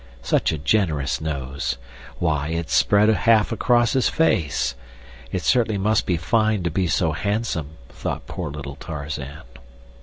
Such a generous nose! Why it spread half across his face! It certainly must be fine to be so handsome, thought poor little Tarzan.